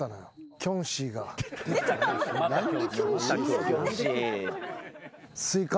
キョンシーを。